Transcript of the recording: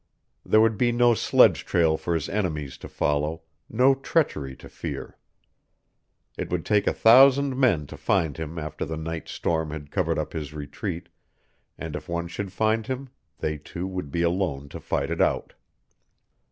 There would be no sledge trail for his enemies to follow, no treachery to fear. It would take a thousand men to find him after the night's storm had covered up his retreat, and if one should find him they two would be alone to fight it out.